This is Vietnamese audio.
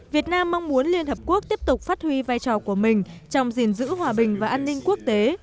việt nam mong muốn liên hợp quốc tiếp tục phát huy vai trò của mình trong gìn giữ hòa bình và an ninh quốc tế